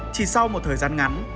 chỉ sau một thời gian ngắn